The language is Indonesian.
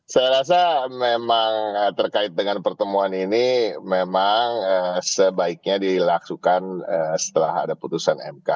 saya rasa memang terkait dengan pertemuan ini memang sebaiknya dilaksukan setelah ada putusan mk